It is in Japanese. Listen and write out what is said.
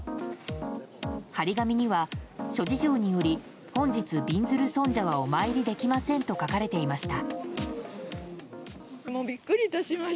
張り紙には「諸事情により本日びんずる尊者はお参りできません」と書かれていました。